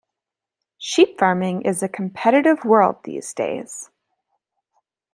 Sheep farming is a competitive world these days.